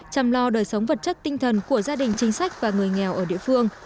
chăm lo đời sống vật chất tinh thần của gia đình chính sách và người nghèo ở địa phương